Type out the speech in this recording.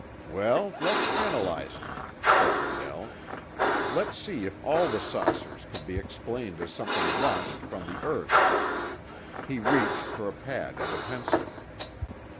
"Well, let's analyze it," said Redell. "Let's see if all the saucers could be explained as something launched from the earth." He reached for a pad and a pencil.